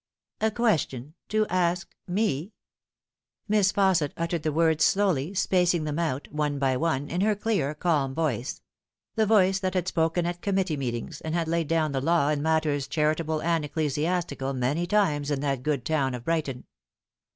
" A question to ask me?" Miss Fausset uttered the words slowly, spacing them out, one by one, in her clear, calm voice the voice that had spoken at committee meetings, and had laid down the law in matters charitable and ecclesiastical many times in that good town of Brighton.